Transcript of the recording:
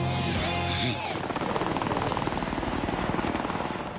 フッ。